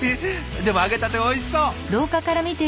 でも揚げたてはおいしそう！